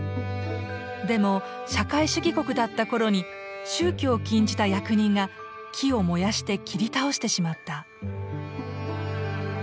でも社会主義国だったころに宗教を禁じた役人が木を燃やして切り倒してしまった。